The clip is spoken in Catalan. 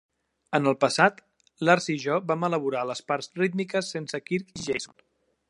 En el passat, Lars i jo vam elaborar les parts rítmiques sense Kirk i Jason.